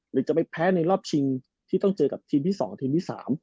หรือจะไปแพ้ในรอบชิงที่ต้องเจอกับทีมที่๒ทีมที่๓